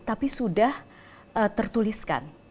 tapi sudah tertuliskan